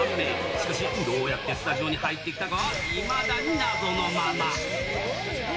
しかしどうやってスタジオに入ってきたかは、いまだに謎のまま。